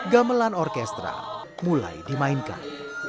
gamelan orkestra mulai dimainkan